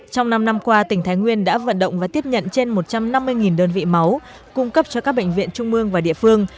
trong năm năm qua tỉnh thái nguyên đã vận động và tiếp nhận trên một trăm năm mươi đơn vị máu cung cấp cho các bệnh viện trung mương và địa phương